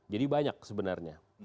jadi banyak sebenarnya